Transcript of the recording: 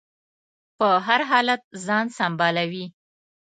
په هر حالت ځان سنبالوي.